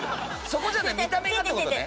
そこじゃない見た目がって事ね？